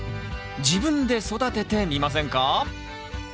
自分で育ててみませんか？